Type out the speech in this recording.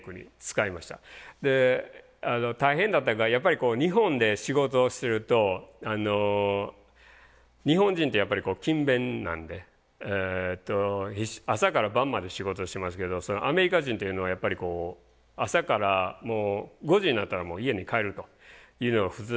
大変だったのがやっぱり日本で仕事をしてると日本人ってやっぱり勤勉なんで朝から晩まで仕事してますけどアメリカ人っていうのはやっぱりこう朝からもう５時になったら家に帰るというのが普通だったんで。